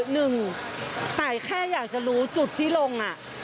หนึ่งตายแค่อยากจะรู้จุดที่ลง